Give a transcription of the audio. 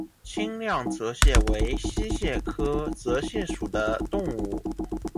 清亮泽蟹为溪蟹科泽蟹属的动物。